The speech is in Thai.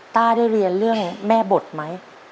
ต้าได้เรียนเรื่องแม่บทไหม